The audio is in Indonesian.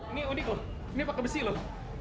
ini unik loh ini pakai besi loh